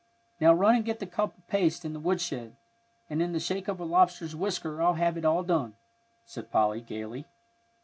Now run and get the cup of paste in the woodshed, and in the shake of a lobster's whisker I'll have it all done," sang Polly, gayly.